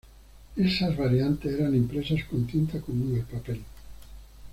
Esas variantes eran impresas con tinta común al papel.